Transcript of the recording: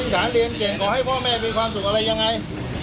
สารเรียนเก่งก่อให้พ่อแม่มีความสุขอะไรยังไง